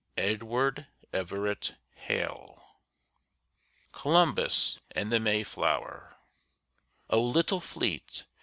EDWARD EVERETT HALE. COLUMBUS AND THE MAYFLOWER O little fleet!